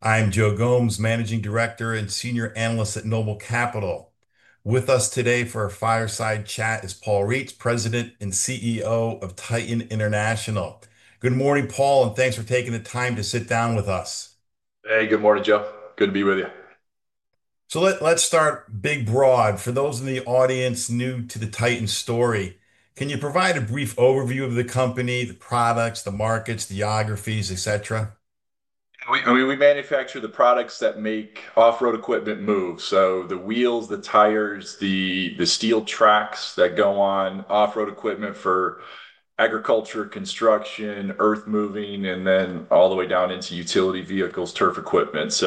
I'm Joe Gomes, Managing Director and Senior Analyst at NOBLE Capital. With us today for our fireside chat is Paul Reitz, President and CEO of Titan International. Good morning, Paul, and thanks for taking the time to sit down with us. Hey, good morning, Joe. Good to be with you. Let's start big broad. For those in the audience new to the Titan story, can you provide a brief overview of the company, the products, the markets, geographies, etc.? I mean, we manufacture the products that make off-road equipment move. The wheels, the tires, the steel tracks that go on off-road equipment for agriculture, construction, earth moving, and then all the way down into utility vehicles, turf equipment.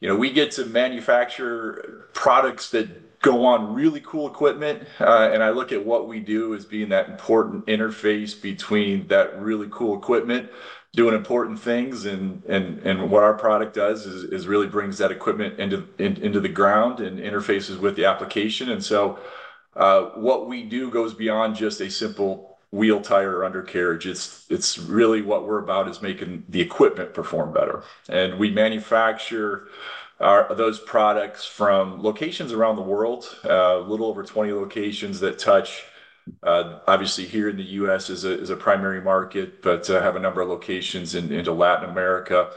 We get to manufacture products that go on really cool equipment. I look at what we do as being that important interface between that really cool equipment doing important things. What our product does is really brings that equipment into the ground and interfaces with the application. What we do goes beyond just a simple wheel, tire, or undercarriage. It's really what we're about is making the equipment perform better. We manufacture those products from locations around the world, a little over 20 locations that touch, obviously, here in the U.S. as a primary market, but have a number of locations into Latin America,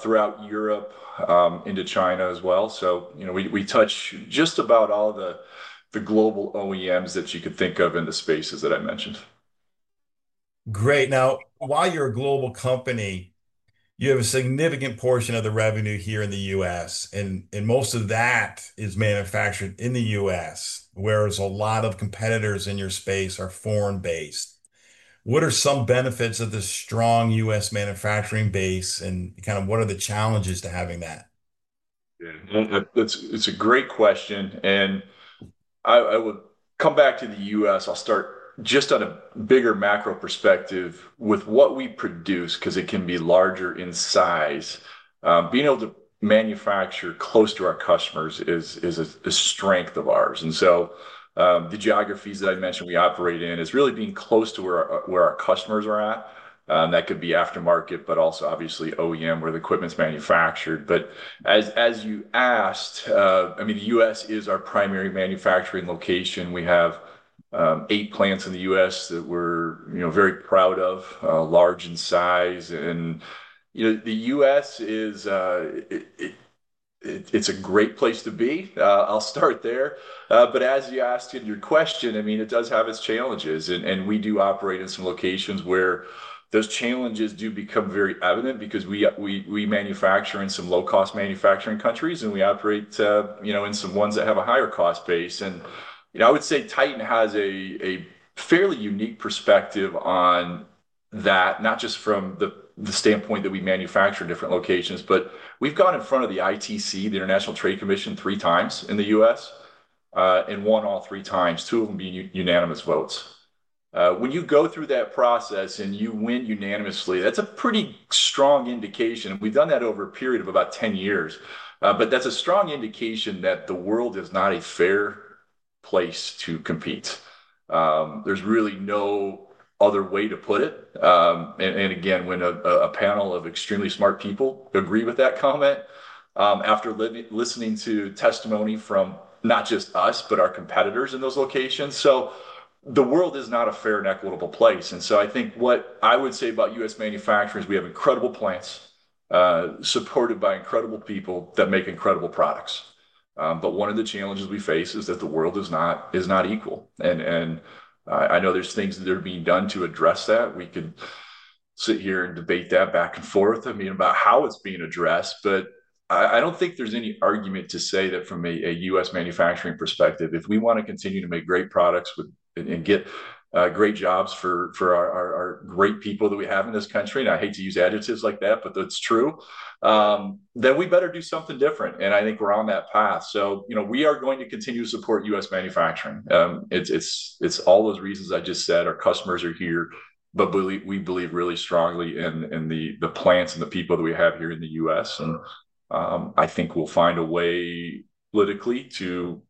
throughout Europe, into China as well. We touch just about all the global OEMs that you could think of in the spaces that I mentioned. Great. Now, while you're a global company, you have a significant portion of the revenue here in the U.S. And most of that is manufactured in the U.S., whereas a lot of competitors in your space are foreign-based. What are some benefits of the strong U.S. manufacturing base? And kind of what are the challenges to having that? Yeah, it's a great question. I will come back to the U.S. I'll start just on a bigger macro perspective with what we produce because it can be larger in size. Being able to manufacture close to our customers is a strength of ours. The geographies that I mentioned we operate in is really being close to where our customers are at. That could be aftermarket, but also, obviously, OEM where the equipment's manufactured. As you asked, I mean, the U.S. is our primary manufacturing location. We have eight plants in the U.S. that we're very proud of, large in size. The U.S., it's a great place to be. I'll start there. As you asked in your question, I mean, it does have its challenges. We do operate in some locations where those challenges do become very evident because we manufacture in some low-cost manufacturing countries, and we operate in some ones that have a higher cost base. I would say Titan has a fairly unique perspective on that, not just from the standpoint that we manufacture in different locations, but we've gone in front of the ITC, the International Trade Commission, three times in the U.S., and won all three times, two of them being unanimous votes. When you go through that process and you win unanimously, that's a pretty strong indication. We've done that over a period of about 10 years. That's a strong indication that the world is not a fair place to compete. There's really no other way to put it. Again, when a panel of extremely smart people agree with that comment after listening to testimony from not just us, but our competitors in those locations. The world is not a fair and equitable place. I think what I would say about U.S. manufacturing is we have incredible plants supported by incredible people that make incredible products. One of the challenges we face is that the world is not equal. I know there are things that are being done to address that. We could sit here and debate that back and forth, I mean, about how it is being addressed. I don't think there's any argument to say that from a U.S. manufacturing perspective, if we want to continue to make great products and get great jobs for our great people that we have in this country, and I hate to use adjectives like that, but that's true, then we better do something different. I think we're on that path. We are going to continue to support U.S. manufacturing. It's all those reasons I just said. Our customers are here, but we believe really strongly in the plants and the people that we have here in the U.S. I think we'll find a way politically to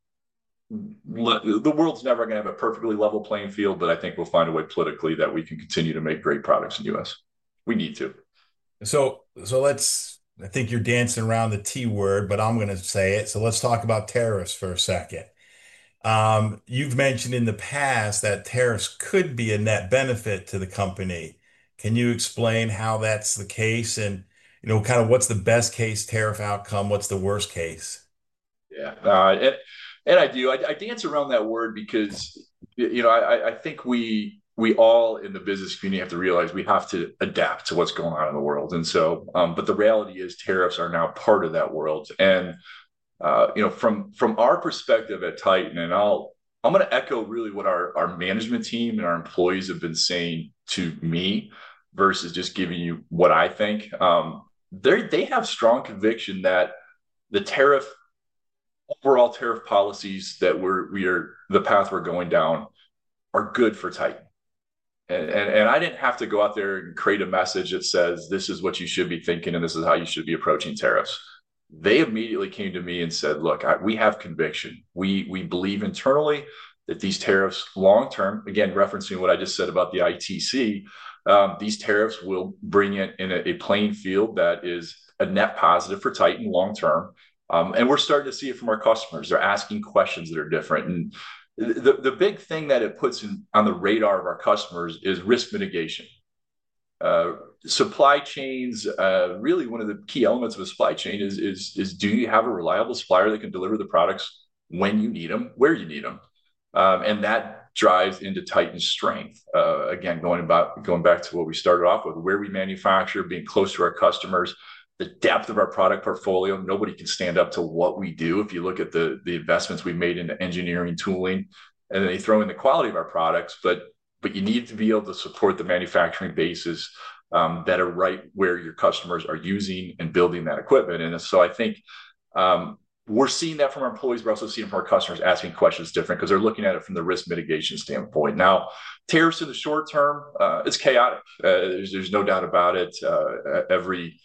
the world's never going to have a perfectly level playing field, but I think we'll find a way politically that we can continue to make great products in the U.S. We need to. I think you're dancing around the T word, but I'm going to say it. Let's talk about tariffs for a second. You've mentioned in the past that tariffs could be a net benefit to the company. Can you explain how that's the case? And kind of what's the best-case tariff outcome? What's the worst case? Yeah. I do. I dance around that word because I think we all in the business community have to realize we have to adapt to what's going on in the world. The reality is tariffs are now part of that world. From our perspective at Titan, and I'm going to echo really what our management team and our employees have been saying to me versus just giving you what I think. They have strong conviction that the overall tariff policies, that the path we're going down, are good for Titan. I didn't have to go out there and create a message that says, "This is what you should be thinking, and this is how you should be approaching tariffs." They immediately came to me and said, "Look, we have conviction. We believe internally that these tariffs long-term, again, referencing what I just said about the ITC, these tariffs will bring it in a playing field that is a net positive for Titan long-term. We're starting to see it from our customers. They're asking questions that are different. The big thing that it puts on the radar of our customers is risk mitigation. Supply chains, really one of the key elements of a supply chain is, do you have a reliable supplier that can deliver the products when you need them, where you need them? That drives into Titan's strength. Again, going back to what we started off with, where we manufacture, being close to our customers, the depth of our product portfolio. Nobody can stand up to what we do if you look at the investments we've made into engineering, tooling, and then they throw in the quality of our products. You need to be able to support the manufacturing bases that are right where your customers are using and building that equipment. I think we're seeing that from our employees. We're also seeing it from our customers asking questions different because they're looking at it from the risk mitigation standpoint. Now, tariffs in the short term, it's chaotic. There's no doubt about it. Every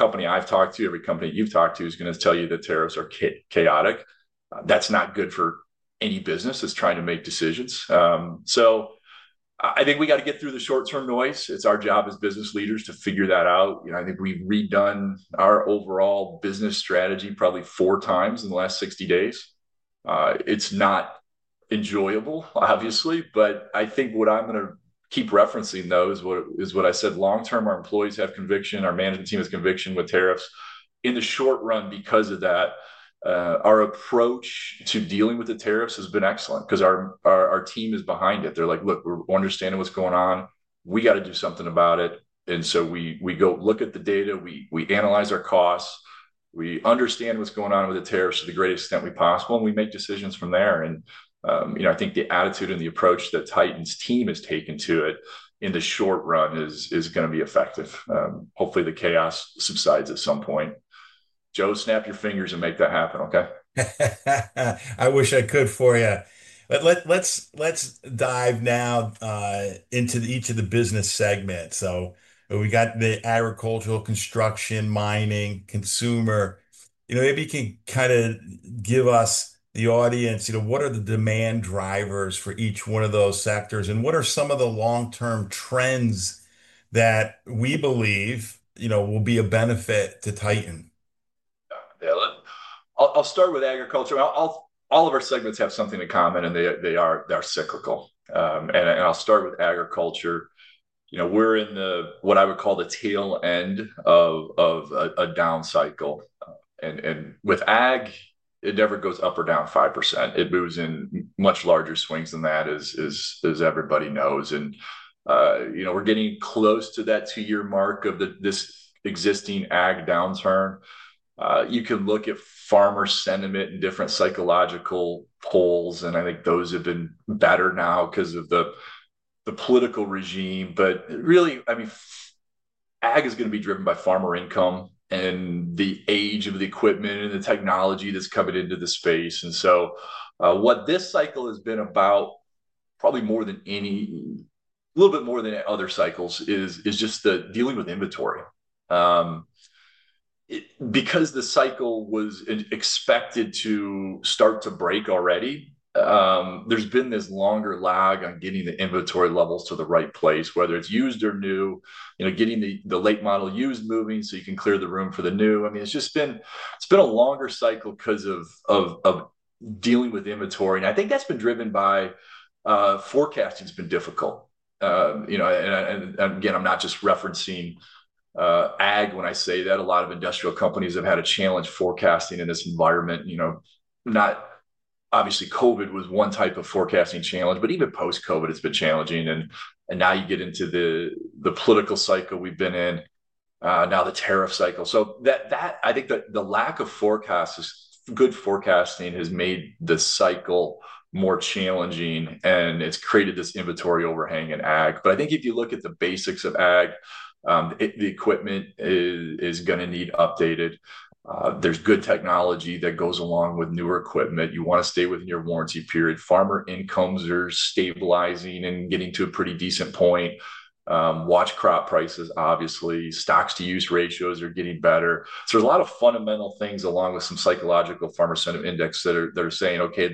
company I've talked to, every company you've talked to is going to tell you that tariffs are chaotic. That's not good for any business that's trying to make decisions. I think we got to get through the short-term noise. It's our job as business leaders to figure that out. I think we've redone our overall business strategy probably four times in the last 60 days. It's not enjoyable, obviously. I think what I'm going to keep referencing, though, is what I said. Long-term, our employees have conviction. Our management team has conviction with tariffs. In the short run, because of that, our approach to dealing with the tariffs has been excellent because our team is behind it. They're like, "Look, we're understanding what's going on. We got to do something about it." We go look at the data. We analyze our costs. We understand what's going on with the tariffs to the greatest extent we possible, and we make decisions from there. I think the attitude and the approach that Titan's team has taken to it in the short run is going to be effective. Hopefully, the chaos subsides at some point. Joe, snap your fingers and make that happen, okay? I wish I could for you. Let's dive now into each of the business segments. We got the agricultural, construction, mining, consumer. Maybe you can kind of give us, the audience, what are the demand drivers for each one of those sectors? What are some of the long-term trends that we believe will be a benefit to Titan? I'll start with agriculture. All of our segments have something in common, and they are cyclical. I'll start with agriculture. We're in what I would call the tail end of a down cycle. With ag, it never goes up or down 5%. It moves in much larger swings than that, as everybody knows. We're getting close to that two-year mark of this existing ag downturn. You can look at farmer sentiment and different psychological polls. I think those have been better now because of the political regime. Really, I mean, ag is going to be driven by farmer income and the age of the equipment and the technology that's coming into the space. What this cycle has been about, probably more than any, a little bit more than other cycles, is just dealing with inventory. Because the cycle was expected to start to break already, there's been this longer lag on getting the inventory levels to the right place, whether it's used or new, getting the late model used moving so you can clear the room for the new. I mean, it's just been a longer cycle because of dealing with inventory. I think that's been driven by forecasting has been difficult. Again, I'm not just referencing ag when I say that. A lot of industrial companies have had a challenge forecasting in this environment. Obviously, COVID was one type of forecasting challenge, but even post-COVID, it's been challenging. Now you get into the political cycle we've been in, now the tariff cycle. I think the lack of good forecasting has made the cycle more challenging, and it's created this inventory overhang in ag. I think if you look at the basics of ag, the equipment is going to need updated. There's good technology that goes along with newer equipment. You want to stay within your warranty period. Farmer incomes are stabilizing and getting to a pretty decent point. Watch crop prices, obviously. Stocks-to-use ratios are getting better. There are a lot of fundamental things along with some psychological farmer sentiment index that are saying, "Okay,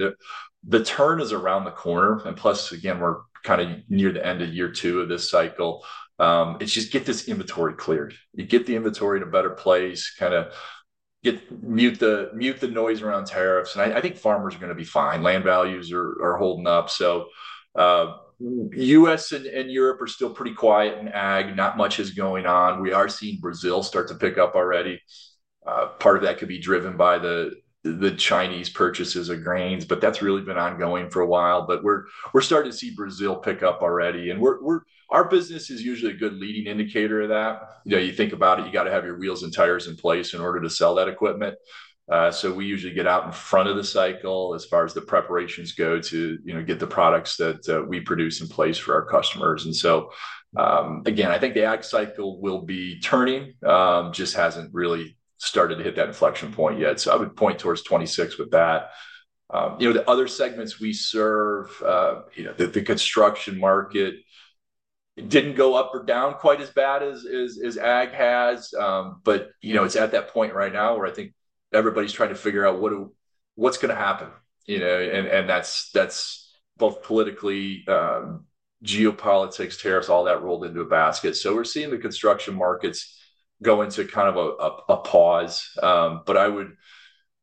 the turn is around the corner." Plus, again, we're kind of near the end of year two of this cycle. It's just get this inventory cleared. You get the inventory in a better place, kind of mute the noise around tariffs. I think farmers are going to be fine. Land values are holding up. U.S. and Europe are still pretty quiet in ag. Not much is going on. We are seeing Brazil start to pick up already. Part of that could be driven by the Chinese purchases of grains, but that's really been ongoing for a while. We're starting to see Brazil pick up already. Our business is usually a good leading indicator of that. You think about it, you got to have your wheels and tires in place in order to sell that equipment. We usually get out in front of the cycle as far as the preparations go to get the products that we produce in place for our customers. Again, I think the ag cycle will be turning. It just hasn't really started to hit that inflection point yet. I would point towards 2026 with that. The other segments we serve, the construction market, it didn't go up or down quite as bad as ag has. It is at that point right now where I think everybody's trying to figure out what's going to happen. That's both politically, geopolitics, tariffs, all that rolled into a basket. We are seeing the construction markets go into kind of a pause.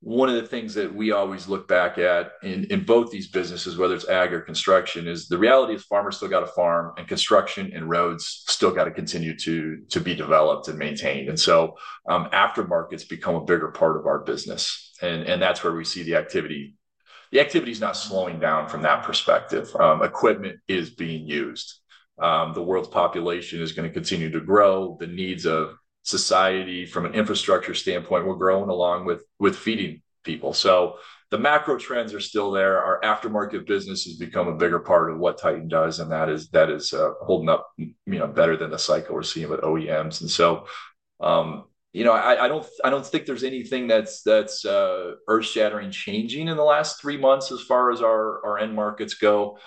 One of the things that we always look back at in both these businesses, whether it's ag or construction, is the reality is farmers still got to farm and construction and roads still got to continue to be developed and maintained. Aftermarkets become a bigger part of our business. That's where we see the activity. The activity is not slowing down from that perspective. Equipment is being used. The world's population is going to continue to grow. The needs of society from an infrastructure standpoint will grow along with feeding people. The macro trends are still there. Our aftermarket business has become a bigger part of what Titan does, and that is holding up better than the cycle we're seeing with OEMs. I don't think there's anything that's earth-shattering changing in the last three months as far as our end markets go.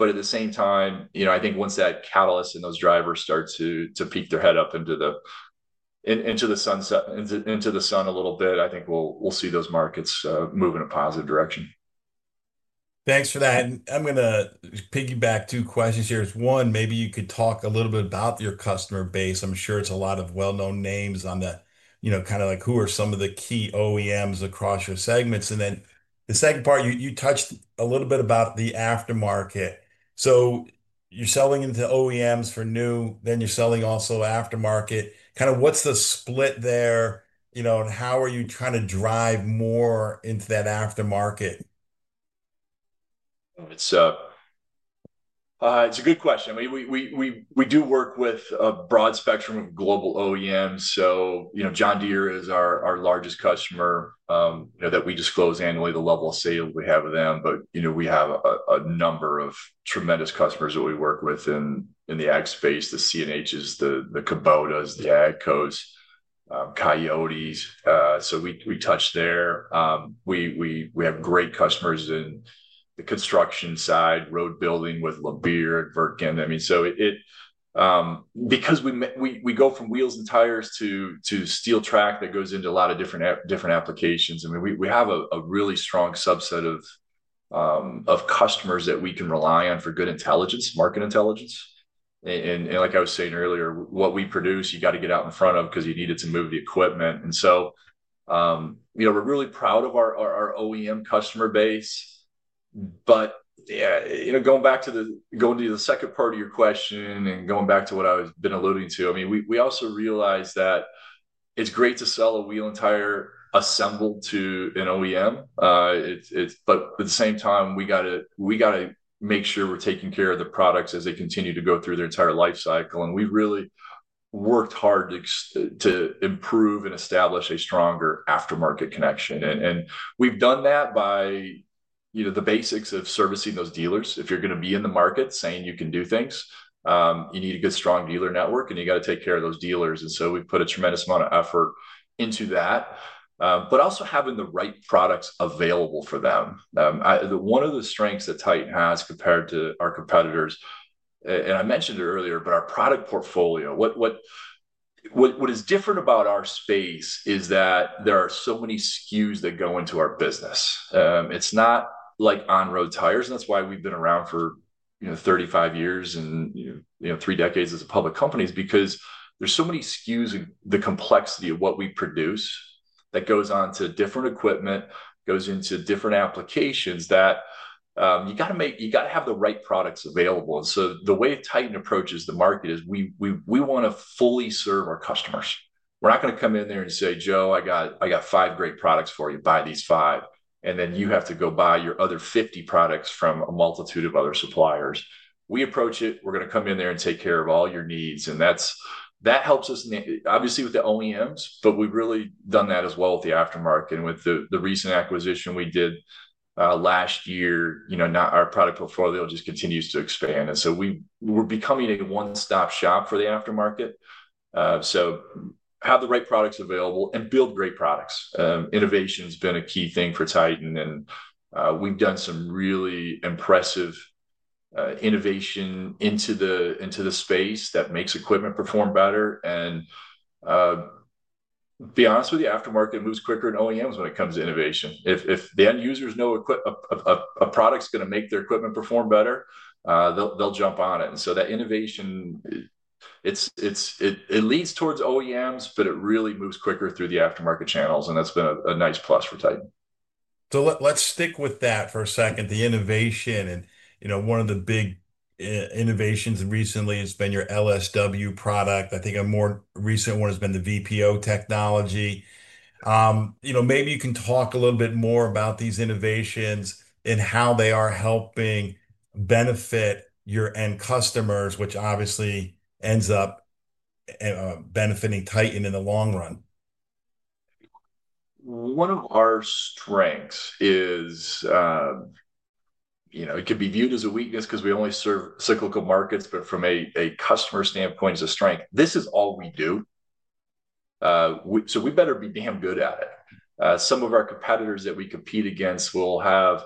At the same time, I think once that catalyst and those drivers start to peek their head up into the sun a little bit, I think we'll see those markets move in a positive direction. Thanks for that. I'm going to piggyback two questions here. One, maybe you could talk a little bit about your customer base. I'm sure it's a lot of well-known names on the kind of who are some of the key OEMs across your segments. The second part, you touched a little bit about the aftermarket. You're selling into OEMs for new, then you're selling also aftermarket. Kind of what's the split there? How are you trying to drive more into that aftermarket? It's a good question. We do work with a broad spectrum of global OEMs. John Deere is our largest customer that we disclose annually the level of sales we have with them. We have a number of tremendous customers that we work with in the ag space. The CNHs, the Kubotas, the AGCOs, Coyotes. We touch there. We have great customers in the construction side, road building with [Labeer]. I mean, because we go from wheels and tires to steel track that goes into a lot of different applications. I mean, we have a really strong subset of customers that we can rely on for good intelligence, market intelligence. Like I was saying earlier, what we produce, you got to get out in front of because you need it to move the equipment. We are really proud of our OEM customer base. Going back to the second part of your question and going back to what I've been alluding to, I mean, we also realize that it's great to sell a wheel and tire assembled to an OEM. At the same time, we got to make sure we're taking care of the products as they continue to go through their entire life cycle. We've really worked hard to improve and establish a stronger aftermarket connection. We've done that by the basics of servicing those dealers. If you're going to be in the market saying you can do things, you need a good strong dealer network, and you got to take care of those dealers. We put a tremendous amount of effort into that, but also having the right products available for them. One of the strengths that Titan has compared to our competitors, and I mentioned it earlier, but our product portfolio. What is different about our space is that there are so many SKUs that go into our business. It's not like on-road tires. That is why we've been around for 35 years and three decades as a public company is because there's so many SKUs and the complexity of what we produce that goes on to different equipment, goes into different applications that you got to have the right products available. The way Titan approaches the market is we want to fully serve our customers. We're not going to come in there and say, "Joe, I got five great products for you. Buy these five." Then you have to go buy your other 50 products from a multitude of other suppliers. We approach it. We're going to come in there and take care of all your needs. That helps us, obviously, with the OEMs, but we've really done that as well with the aftermarket. With the recent acquisition we did last year, our product portfolio just continues to expand. We're becoming a one-stop shop for the aftermarket. Have the right products available and build great products. Innovation has been a key thing for Titan. We've done some really impressive innovation into the space that makes equipment perform better. To be honest with you, aftermarket moves quicker than OEMs when it comes to innovation. If the end user knows a product's going to make their equipment perform better, they'll jump on it. That innovation, it leads towards OEMs, but it really moves quicker through the aftermarket channels. That's been a nice plus for Titan. Let's stick with that for a second, the innovation. One of the big innovations recently has been your LSW product. I think a more recent one has been the VPO technology. Maybe you can talk a little bit more about these innovations and how they are helping benefit your end customers, which obviously ends up benefiting Titan in the long run. One of our strengths is it could be viewed as a weakness because we only serve cyclical markets, but from a customer standpoint, it's a strength. This is all we do. So we better be damn good at it. Some of our competitors that we compete against will have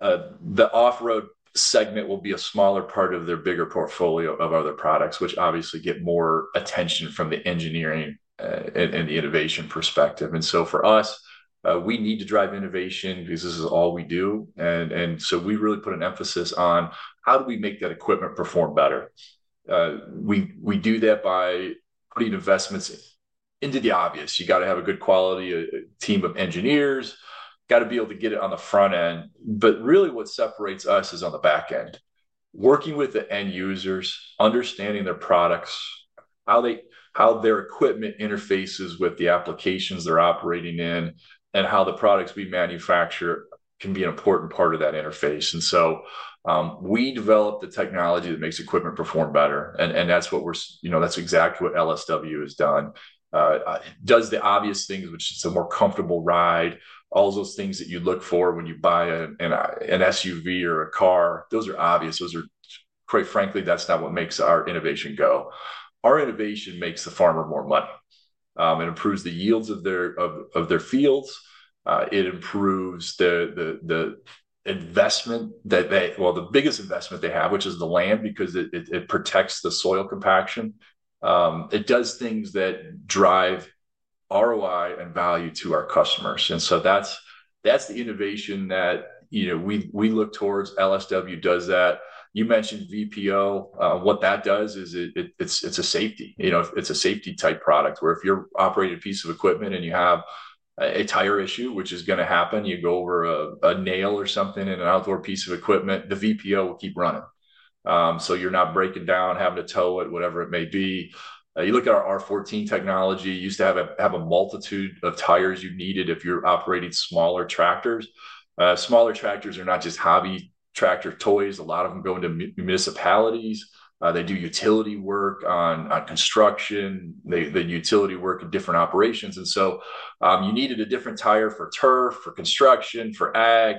the off-road segment be a smaller part of their bigger portfolio of other products, which obviously get more attention from the engineering and the innovation perspective. For us, we need to drive innovation because this is all we do. We really put an emphasis on how do we make that equipment perform better. We do that by putting investments into the obvious. You got to have a good quality team of engineers. Got to be able to get it on the front end. What separates us is on the back end. Working with the end users, understanding their products, how their equipment interfaces with the applications they're operating in, and how the products we manufacture can be an important part of that interface. We develop the technology that makes equipment perform better. That is exactly what LSW has done. It does the obvious things, which is a more comfortable ride, all those things that you look for when you buy an SUV or a car. Those are obvious. Quite frankly, that is not what makes our innovation go. Our innovation makes the farmer more money. It improves the yields of their fields. It improves the investment that they, well, the biggest investment they have, which is the land because it protects the soil compaction. It does things that drive ROI and value to our customers. That is the innovation that we look towards. LSW does that. You mentioned VPO. What that does is it's a safety. It's a safety-type product where if you're operating a piece of equipment and you have a tire issue, which is going to happen, you go over a nail or something in an outdoor piece of equipment, the VPO will keep running. You're not breaking down, having to tow it, whatever it may be. You look at our R14 technology. You used to have a multitude of tires you needed if you're operating smaller tractors. Smaller tractors are not just hobby tractor toys. A lot of them go into municipalities. They do utility work on construction. They do utility work in different operations. You needed a different tire for turf, for construction, for ag.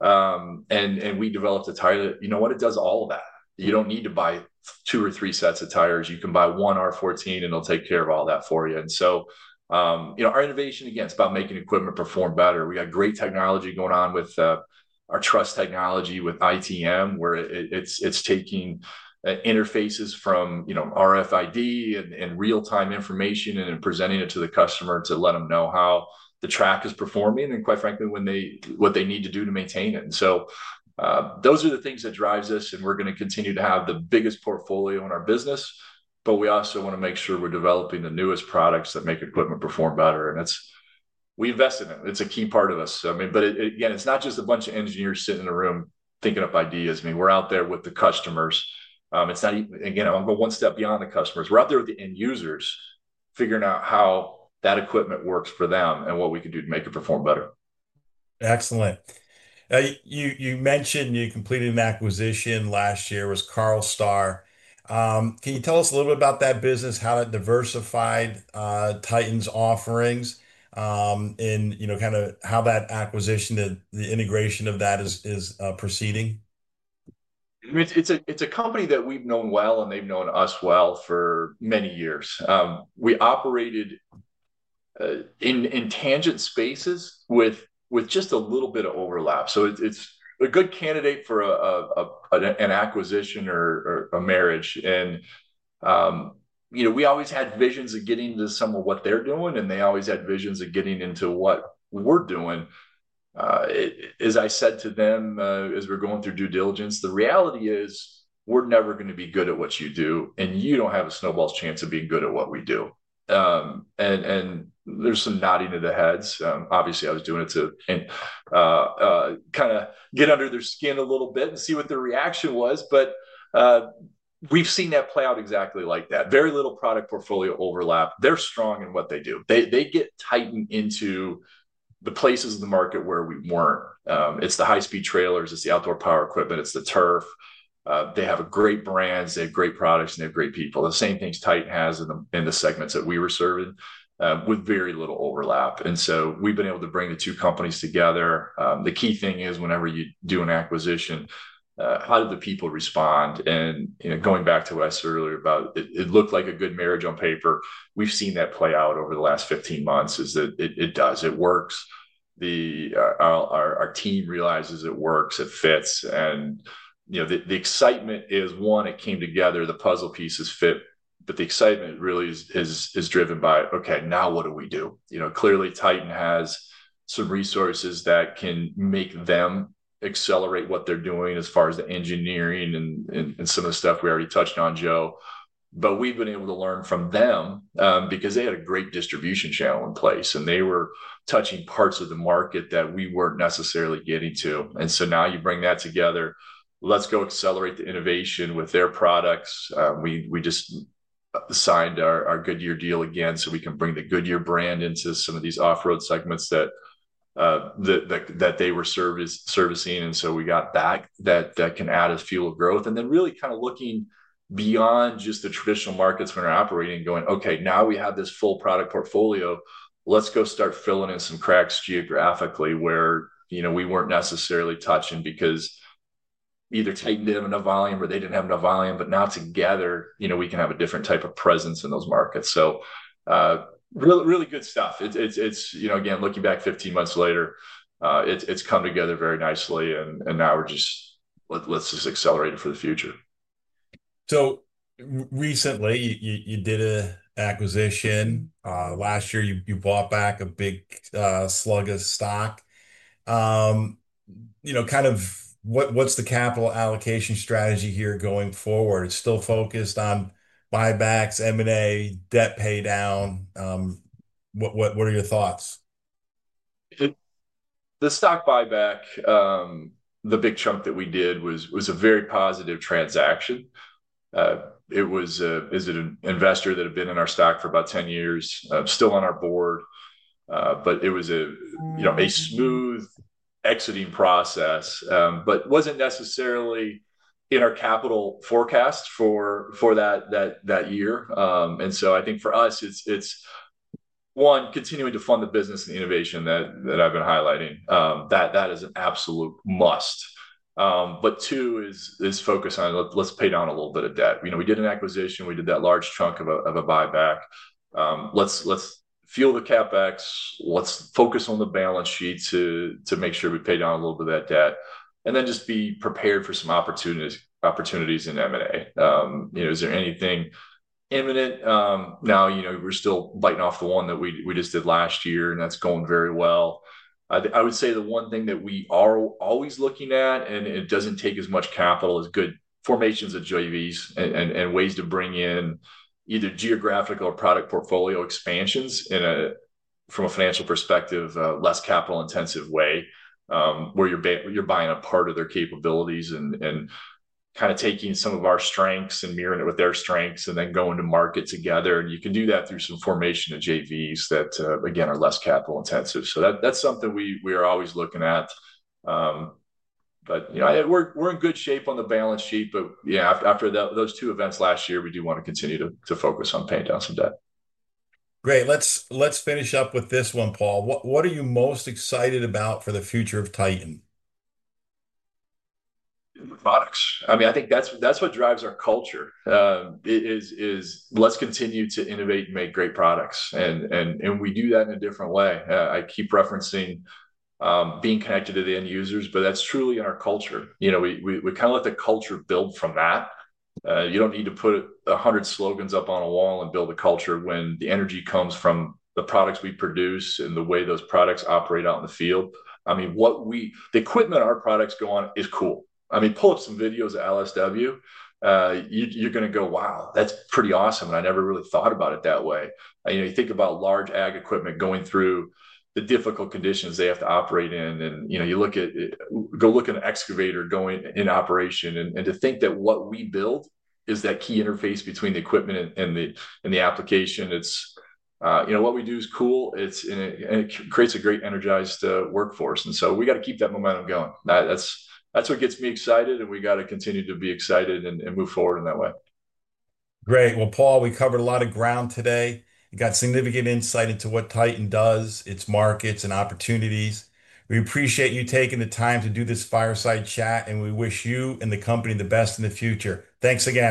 We developed a tire that, you know what, it does all of that. You do not need to buy two or three sets of tires. You can buy one R14, and it will take care of all that for you. Our innovation, again, is about making equipment perform better. We have great technology going on with our trust technology with ITM, where it is taking interfaces from RFID and real-time information and presenting it to the customer to let them know how the track is performing and, quite frankly, what they need to do to maintain it. Those are the things that drive us. We are going to continue to have the biggest portfolio in our business. We also want to make sure we are developing the newest products that make equipment perform better. We invest in it. It is a key part of us. I mean, but again, it's not just a bunch of engineers sitting in a room thinking up ideas. I mean, we're out there with the customers. Again, I'm going one step beyond the customers. We're out there with the end users figuring out how that equipment works for them and what we can do to make it perform better. Excellent. You mentioned you completed an acquisition last year with Carlstar. Can you tell us a little bit about that business, how that diversified Titan's offerings and kind of how that acquisition, the integration of that is proceeding? It's a company that we've known well, and they've known us well for many years. We operated in tangent spaces with just a little bit of overlap. It is a good candidate for an acquisition or a marriage. We always had visions of getting into some of what they're doing, and they always had visions of getting into what we're doing. As I said to them as we were going through due diligence, the reality is we're never going to be good at what you do, and you do not have a snowball chance of being good at what we do. There was some nodding of the heads. Obviously, I was doing it to kind of get under their skin a little bit and see what their reaction was. We have seen that play out exactly like that. Very little product portfolio overlap. They are strong in what they do. They get Titan into the places of the market where we weren't. It's the high-speed trailers. It's the outdoor power equipment. It's the turf. They have great brands. They have great products, and they have great people. The same things Titan has in the segments that we were serving with very little overlap. We have been able to bring the two companies together. The key thing is whenever you do an acquisition, how do the people respond? Going back to what I said earlier about it looked like a good marriage on paper. We have seen that play out over the last 15 months is that it does. It works. Our team realizes it works. It fits. The excitement is, one, it came together. The puzzle pieces fit. The excitement really is driven by, okay, now what do we do? Clearly, Titan has some resources that can make them accelerate what they're doing as far as the engineering and some of the stuff we already touched on, Joe. We've been able to learn from them because they had a great distribution channel in place, and they were touching parts of the market that we weren't necessarily getting to. Now you bring that together. Let's go accelerate the innovation with their products. We just signed our Goodyear deal again so we can bring the Goodyear brand into some of these off-road segments that they were servicing. We got that. That can add a few of growth. Really kind of looking beyond just the traditional markets when we're operating and going, okay, now we have this full product portfolio. Let's go start filling in some cracks geographically where we were not necessarily touching because either Titan did not have enough volume or they did not have enough volume. Now together, we can have a different type of presence in those markets. Really good stuff. Again, looking back 15 months later, it has come together very nicely. Now we are just, let's just accelerate it for the future. Recently, you did an acquisition. Last year, you bought back a big slug of stock. Kind of what's the capital allocation strategy here going forward? Still focused on buybacks, M&A, debt pay down? What are your thoughts? The stock buyback, the big chunk that we did was a very positive transaction. It was an investor that had been in our stock for about 10 years, still on our board. It was a smooth exiting process, but was not necessarily in our capital forecast for that year. I think for us, it is, one, continuing to fund the business and the innovation that I have been highlighting. That is an absolute must. Two, focus on, let's pay down a little bit of debt. We did an acquisition. We did that large chunk of a buyback. Let's fuel the CapEx. Let's focus on the balance sheet to make sure we pay down a little bit of that debt. Just be prepared for some opportunities in M&A. Is there anything imminent? Now, we're still biting off the one that we just did last year, and that's going very well. I would say the one thing that we are always looking at, and it does not take as much capital, is good formations of JVs and ways to bring in either geographical or product portfolio expansions from a financial perspective, less capital-intensive way, where you're buying a part of their capabilities and kind of taking some of our strengths and mirroring it with their strengths and then going to market together. You can do that through some formation of JVs that, again, are less capital-intensive. That is something we are always looking at. We are in good shape on the balance sheet. Yeah, after those two events last year, we do want to continue to focus on paying down some debt. Great. Let's finish up with this one, Paul. What are you most excited about for the future of Titan? Products. I mean, I think that's what drives our culture is let's continue to innovate and make great products. We do that in a different way. I keep referencing being connected to the end users, but that's truly in our culture. We kind of let the culture build from that. You don't need to put 100 slogans up on a wall and build a culture when the energy comes from the products we produce and the way those products operate out in the field. I mean, the equipment our products go on is cool. I mean, pull up some videos of LSW. You're going to go, wow, that's pretty awesome. I never really thought about it that way. You think about large ag equipment going through the difficult conditions they have to operate in. You go look at an excavator going in operation. To think that what we build is that key interface between the equipment and the application. What we do is cool. It creates a great energized workforce. We got to keep that momentum going. That's what gets me excited. We got to continue to be excited and move forward in that way. Great. Paul, we covered a lot of ground today. You got significant insight into what Titan does, its markets, and opportunities. We appreciate you taking the time to do this fireside chat, and we wish you and the company the best in the future. Thanks again.